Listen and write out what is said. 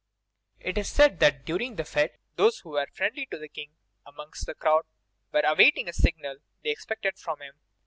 It is said that during the fête those who were friendly to the King, amongst the crowd, were awaiting a signal they expected from him.